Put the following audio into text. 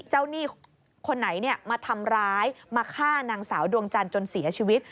หนี้คนไหนมาทำร้ายมาฆ่านางสาวดวงจันทร์จนเสียชีวิต